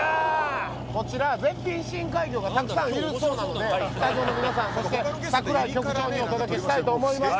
こちら、絶品深海魚がたくさんいるそうなんで、スタジオの皆さん、そして櫻井局長にお届けしたいと思います。